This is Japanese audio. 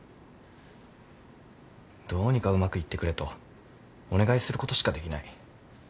どうにかうまくいってくれとお願いすることしかできない。